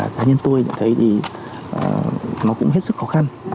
cá nhân tôi thấy thì nó cũng hết sức khó khăn